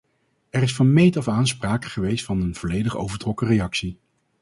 Er is van meet af aan sprake geweest van een volledig overtrokken reactie.